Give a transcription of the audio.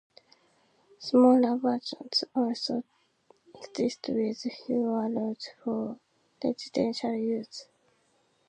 Smaller versions also exist with fewer rows for residential use.